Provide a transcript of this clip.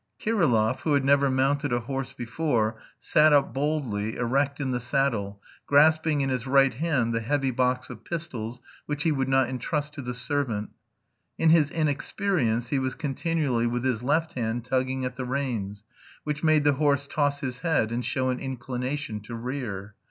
Kirillov, who had never mounted a horse before, sat up boldly, erect in the saddle, grasping in his right hand the heavy box of pistols which he would not entrust to the servant. In his inexperience he was continually with his left hand tugging at the reins, which made the horse toss his head and show an inclination to rear.